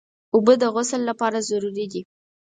اوبه د غسل لپاره ضروري دي.